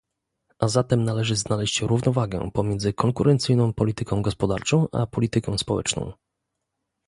A zatem należy znaleźć równowagę pomiędzy konkurencyjną polityką gospodarczą a polityką społeczną